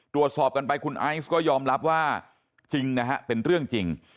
ตรวจสอบกันไปคุณไอซ์ก็ยอมรับว่าจริงนะฮะเป็นเรื่องจริง